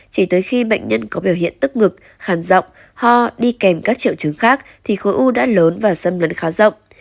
chỉ tới khi bệnh nhân có biểu hiện tức ngực hàn rộng ho đi kèm các triệu chứng khác thì khối u đã lớn và xâm lấn khá rộng